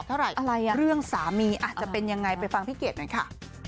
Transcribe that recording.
อะไรอ่ะเรื่องสามีอาจจะเป็นยังไงไปฟังพี่เกดหน่อยค่ะ